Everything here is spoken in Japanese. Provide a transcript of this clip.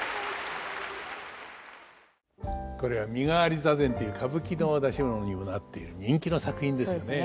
これは「身替座禅」っていう歌舞伎の出し物にもなっている人気の作品ですよね。